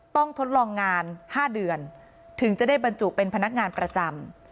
ทดลองงาน๕เดือนถึงจะได้บรรจุเป็นพนักงานประจำ